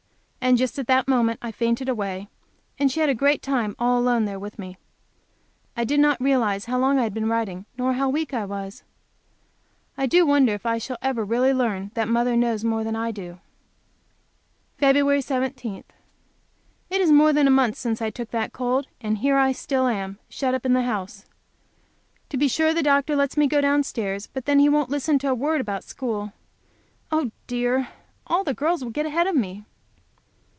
And just at that moment I fainted away, and she had a great time all alone there with me. I did not realize how long I had been writing, nor how weak I was. I do wonder if I shall ever really learn that mother knows more than I do! Feb. 17. It is more than a month since I took that cold, and here I still am, shut up in the house. To be sure the doctor lets me go down stairs, but then he won't listen to a word about school. Oh, dear! All the girls will get ahead of me.